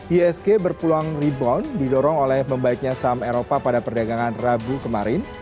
isg berpeluang rebound didorong oleh membaiknya saham eropa pada perdagangan rabu kemarin